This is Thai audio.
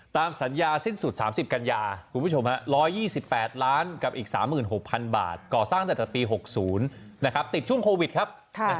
ตามสัญญาสิ้นสุด๓๐กัญญาประมาณ๑๒๘ล้านบาทกับอีก๓๖๐๐๐บาท